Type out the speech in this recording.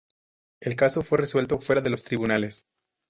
El caso fue resuelto fuera de los tribunales.